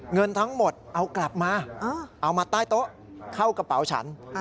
เงินทั้งหมดเอากลับมาเอามาใต้โต๊ะเข้ากระเป๋าฉัน